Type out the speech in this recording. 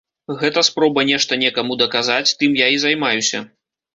Гэта спроба нешта некаму даказаць, тым я і займаюся.